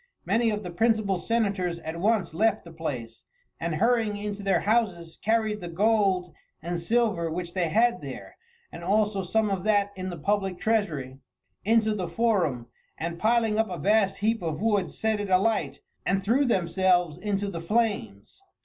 Many of the principal senators at once left the place, and hurrying into their houses carried the gold and silver which they had there, and also some of that in the public treasury, into the forum, and piling up a vast heap of wood set it alight and threw themselves into the flames.